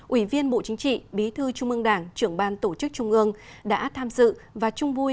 ủy viên bộ chính trị bí thư trung ương đảng trưởng ban tổ chức trung ương đã tham dự và chung vui